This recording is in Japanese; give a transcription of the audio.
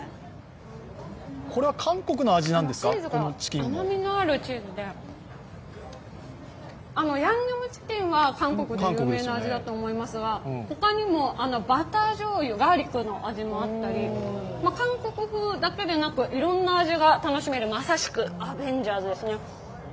甘みのあるチーズでヤンニョムチキンは韓国でも有名な味だと思いますが他にもバターじょうゆガーリックの味もあったり韓国風だけでなく、いろんな味が楽しめる、まさしくアベンジャーズですね。